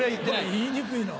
言いにくいな。